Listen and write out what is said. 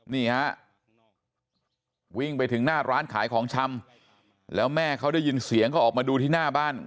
นี่ฮะวิ่งไปถึงหน้าร้านขายของชำแล้วแม่เขาได้ยินเสียงก็ออกมาดูที่หน้าบ้าน